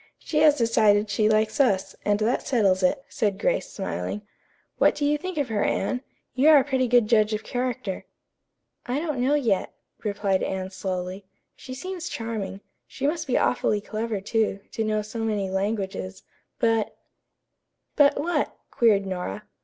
She has decided she likes us, and that settles it," said Grace, smiling. "What do you think of her, Anne? You are a pretty good judge of character." "I don't know yet," replied Anne slowly. "She seems charming. She must be awfully clever, too, to know so many languages, but " "But what?" queried Nora.